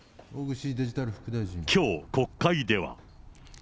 きょう、国会では。